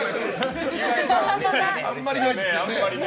あんまりいないですよね。